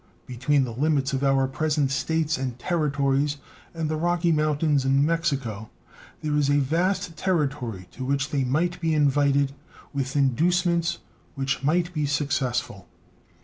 Between the limits of our present States and Territories and the Rocky Mountains and Mexico there is a vast territory to which they might be invited with inducements which might be successful.